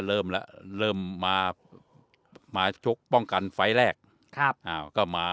เริ่มแล้วเริ่มมามาชกป้องกันไฟล์แรกครับอ่าก็มา